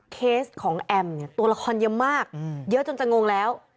เคสของแอมเนี่ยตัวละครเยอะมากเยอะจนจะงงแล้ว